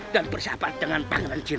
dan bersahabat dengan pangeran jin